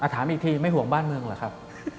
ถามอีกทีไม่ห่วงบ้านเมืองเหรอครับ